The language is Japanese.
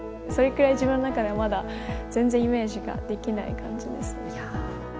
それくらい自分の中ではまだ全然イメージができない感じですね。